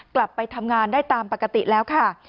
กลับไปทำงานได้ตามปกติแล้วค่ะ